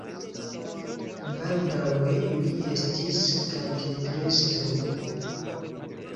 Baldaŭe li estis katedrestro.